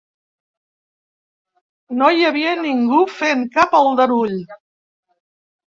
No hi havia ningú fent cap aldarull.